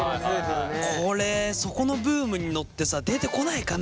これそこのブームに乗ってさ出てこないかね。